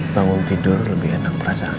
bangun tidur lebih enak perasaan